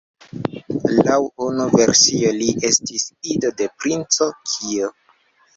Laŭ unu versio li estis ido de Princo Kio.